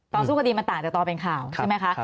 สู้คดีมันต่างจากตอนเป็นข่าวใช่ไหมคะ